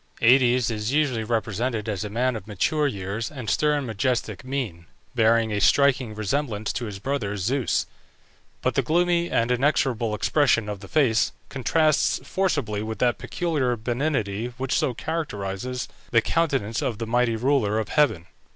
Aïdes is usually represented as a man of mature years and stern majestic mien, bearing a striking resemblance to his brother Zeus; but the gloomy and inexorable expression of the face contrasts forcibly with that peculiar benignity which so characterizes the countenance of the mighty ruler of heaven.